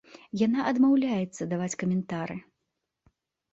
Яна адмаўляецца даваць каментары.